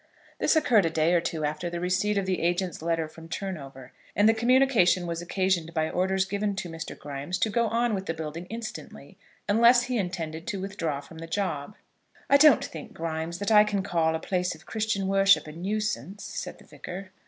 This occurred a day or two after the receipt of the agent's letter from Turnover, and the communication was occasioned by orders given to Mr. Grimes to go on with the building instantly, unless he intended to withdraw from the job. "I don't think, Grimes, that I can call a place of Christian worship a nuisance," said the Vicar.